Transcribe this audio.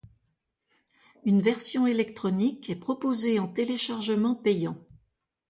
Une version électronique est proposée en téléchargement payant.